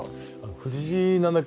藤井七冠